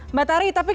mbak tari tapi kita